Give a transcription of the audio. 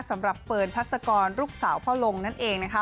สำหรับเฟิร์นพัศกรลูกสาวพ่อลงนั่นเองนะคะ